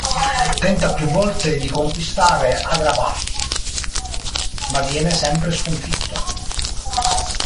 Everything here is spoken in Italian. Tenta più volte di conquistare Agrabah, ma viene sempre sconfitto.